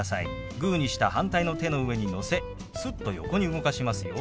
グーにした反対の手の上にのせすっと横に動かしますよ。